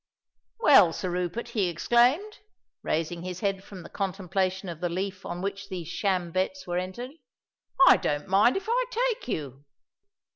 Well, Sir Rupert," he exclaimed, raising his head from the contemplation of the leaf on which these sham bets were entered, "I don't mind if I take you."